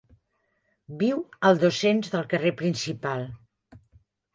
Viu al dos-cents del carrer principal.